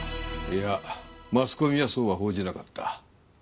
いやマスコミはそうは報じなかった。